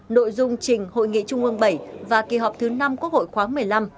nội dung trình hội nghị trung ương bảy và kỳ họp thứ năm quốc hội khoáng một mươi năm